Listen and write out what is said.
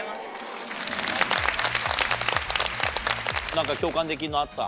何か共感できんのあった？